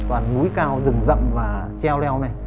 toàn núi cao rừng rậm và treo leo này